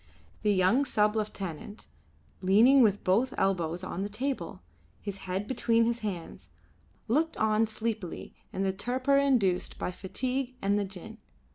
The young sub lieutenant, leaning with both elbows on the table, his head between his hands, looked on sleepily in the torpor induced by fatigue and the gin.